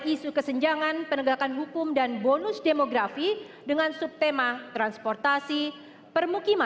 isu kesenjangan penegakan hukum dan bonus demografi dengan subtema transportasi permukiman